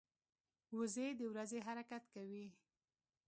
وزې د ورځي حرکت کوي